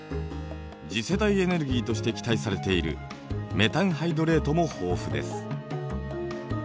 次世代エネルギーとして期待されているメタンハイドレートも豊富です。